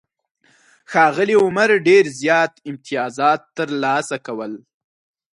ښاغلي عمر ډېر زیات امتیازات ترلاسه کول.